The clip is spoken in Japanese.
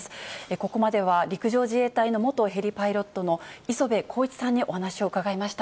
ここまでは陸上自衛隊の元ヘリパイロットの磯部晃一さんにお話を伺いました。